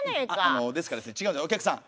あのですからちがうんですお客さん。